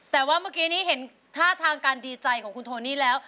แต่ว่าเมื่อกี้นี้เห็นท่าทางการดีใจของคุณโทนี่แล้ว